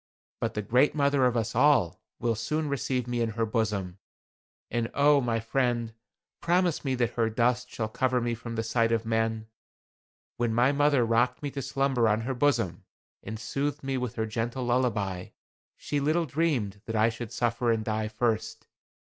But the Great Mother of us all will soon receive me in her bosom. And oh! my friend, promise me that her dust shall cover me from the sight of men. When my mother rocked me to slumber on her bosom, and soothed me with her gentle lullaby, she little dreamed that I should suffer and die first.